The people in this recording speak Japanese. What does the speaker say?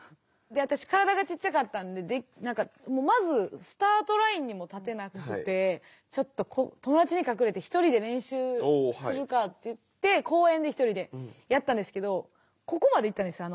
で私体がちっちゃかったんでまずスタートラインにも立てなくてちょっと友達に隠れて一人で練習するかっていって公園で一人でやったんですけどここまでいったんですよ